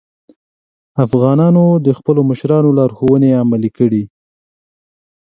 افغانانو د خپلو مشرانو لارښوونې عملي کړې.